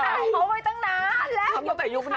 ทำใจเขาไปตั้งนานแล้วอยู่ใครเลย